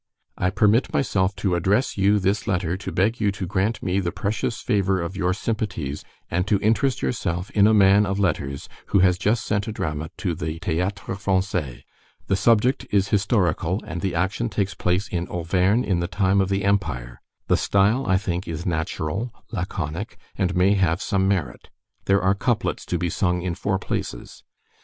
I permit myself to address you this letter to beg you to grant me the pretious favor of your simpaties and to interest yourself in a man of letters who has just sent a drama to the Théâtre Français. The subject is historical, and the action takes place in Auvergne in the time of the Empire; the style, I think, is natural, laconic, and may have some merit. There are couplets to be sung in four places.